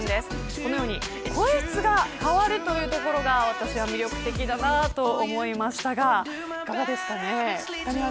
このように声質が変わるというところが魅力的だなと思いましたがいかがですかね。